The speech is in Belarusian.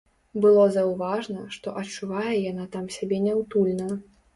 Было заўважна, што адчувае яна там сябе няўтульна.